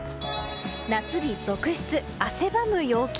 夏日続出、汗ばむ陽気。